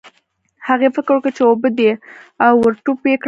هغې فکر وکړ چې اوبه دي او ور ټوپ یې کړل.